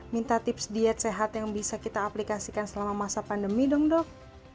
minta tips diet sehat yang bisa kita aplikasikan selama masa pandemi dong dok